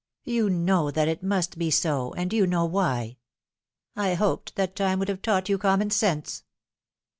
You know that it must be so, and you know why." ' I hoped that time would have taught you common sense."